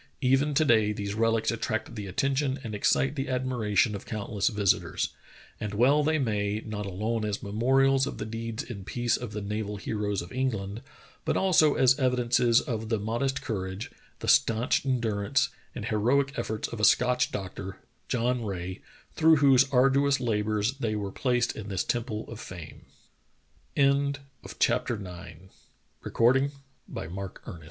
Even to day these relics attract the attention and excite the admiration of countless visitors. And well they may, not alone as memorials of the deeds in peace of the naval heroes of England, but also as evidences of the modest courage, the stanch endurance, and heroic efforts of a Scotch doctor, John Rae, through whose arduous labors they were placed in this temple of